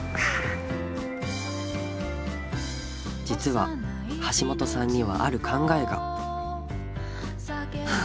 実は橋本さんにはある考えが。ということで。